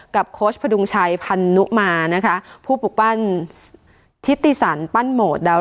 โค้ชพดุงชัยพันนุมานะคะผู้ปลูกปั้นทิติสันปั้นโหมดดาว